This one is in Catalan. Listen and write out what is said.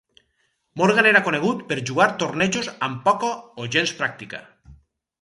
Morgan era conegut per jugar tornejos amb poca o gens pràctica.